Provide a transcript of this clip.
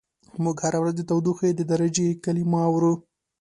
موږ هره ورځ د تودوخې د درجې کلمه اورو.